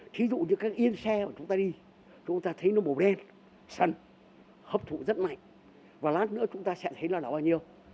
thí dụ như các yên xe của chúng ta đi chúng ta thấy nó màu đen sần hấp thụ rất mạnh và lát nữa chúng ta sẽ thấy là nó bao nhiêu